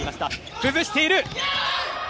崩している！